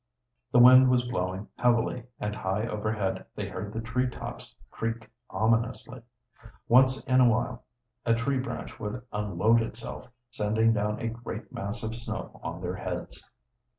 The wind was blowing heavily, and high overhead they heard the tree tops creak ominously. Once in a while a tree branch would unload itself, sending down a great mass of snow on their heads.